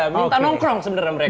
minta nongkrong sebenarnya mereka